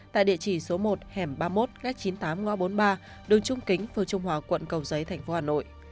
tại địa chỉ số một hẻm ba mươi một gác chín mươi tám ngõ bốn mươi ba đường trung kính phường trung hòa quận cầu giấy thành phố hà nội